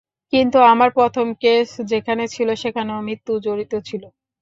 কিন্তু আমার প্রথম কেস যেখানে ছিল সেখানেও মৃত্যু জড়িত ছিল।